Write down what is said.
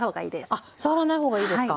あっ触らない方がいいですか。